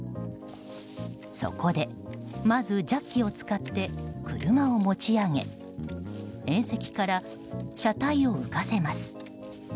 そこで、まずジャッキを使って車を持ち上げ縁石から車体を浮かせます。